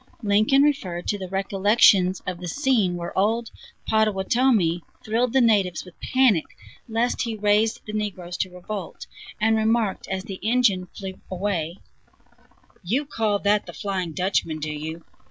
Lincoln referred to the recollections of the scene, where old "Pottowatomie" thrilled the natives with panic lest he raised the negroes to revolt, and remarked, as the engine flew away: "You call that 'The Flying Dutchman' do you?